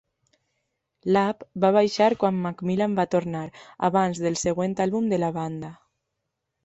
Lapp va marxar quan MacMillan va tornar abans del següent àlbum de la banda.